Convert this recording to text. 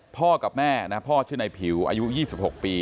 พ่อกับแม่พ่อชื่อนายผิวอายุ๒๖ปี